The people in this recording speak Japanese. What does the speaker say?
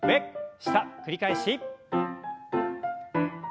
下繰り返し。